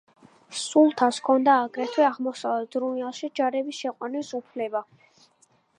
სულთანს ჰქონდა აგრეთვე აღმოსავლეთ რუმელიაში ჯარების შეყვანის უფლება.